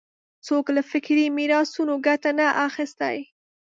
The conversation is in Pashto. څوک له فکري میراثونو ګټه نه اخیستی